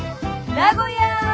名古屋。